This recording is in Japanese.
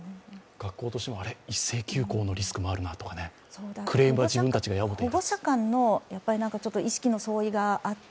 学校としても一斉休校のリスクもあるとか、クレームは自分たちがってね。